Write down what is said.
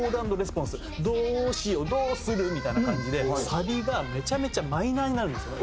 「どーしよ？」みたいな感じでサビがめちゃめちゃマイナーになるんですよ。